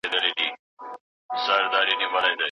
چي سرسایې او عالمانو ته خیرات ورکوي